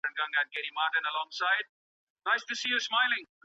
کتاب د پوهي غوره ملګری دی.